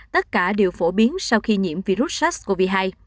tất cả đều phổ biến sau khi nhiễm virus sars cov hai